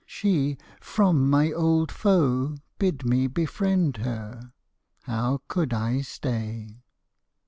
She from my old foe bid me befriend her. How could I stay?